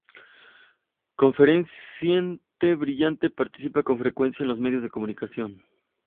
Conferenciante brillante, participa con frecuencia en los medios de comunicación.